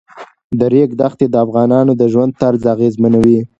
د ریګ دښتې د افغانانو د ژوند طرز اغېزمنوي.